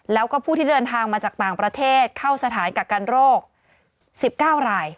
แล้วก็ผู้ที่เดินทางมาจากต่างประเทศเข้าสถานกักกันโรค๑๙ราย